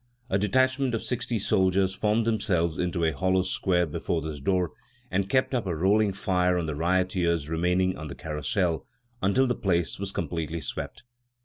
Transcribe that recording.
A detachment of sixty soldiers formed themselves into a hollow square before this door and kept up a rolling fire on the rioters remaining on the Carrousel until the place was completely swept.